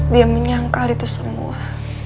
dia menyangkal itu semua